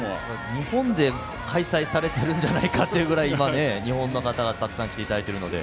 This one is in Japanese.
日本で開催されてるんじゃないかというぐらい日本の方がたくさん来ていただいてるので。